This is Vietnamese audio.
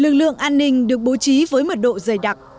lực lượng an ninh được bố trí với mật độ dày đặc